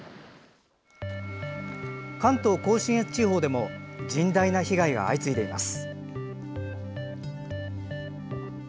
関東・甲信越地方でも甚大な被害が相次いでいます。